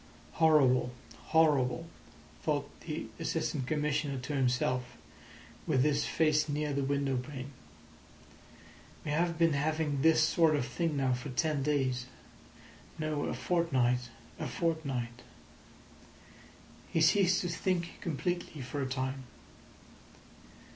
"Horrible, horrible!" thought the Assistant Commissioner to himself, with his face near the window pane. "We have been having this sort of thing now for ten days; no, a fortnight—a fortnight." He ceased to think completely for a time.